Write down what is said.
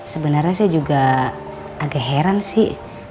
sebenarnya saya juga agak heran sih